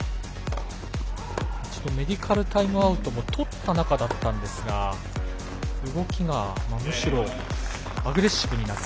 一度メディカルタイムアウトもとった中だったんですが動きが、むしろアグレッシブになった。